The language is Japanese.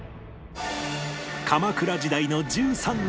鎌倉時代の１３の謎